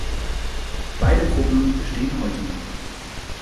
Beide Gruppen bestehen heute noch.